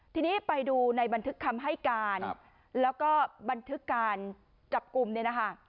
ทีนี้ไปดูในบันทึกคำให้การแล้วก็บันทึกการจับกลุ่มเนี่ยนะคะ